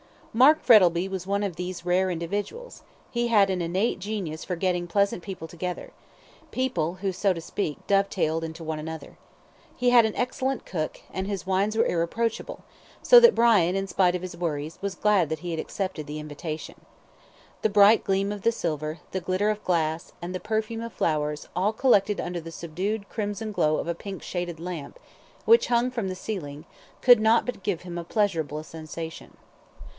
Mark Frettlby was one of these rare individuals he had an innate genius for getting pleasant people together people, who, so to speak, dovetailed into one another. He had an excellent cook, and his wines were irreproachable, so that Brian, in spite of his worries, was glad that he had accepted the invitation. The bright gleam of the silver, the glitter of glass, and the perfume of flowers, all collected under the subdued crimson glow of a pink shaded lamp, which hung from the ceiling, could not but give him a pleasurable sensation.